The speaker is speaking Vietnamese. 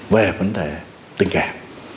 về vấn đề tình cảm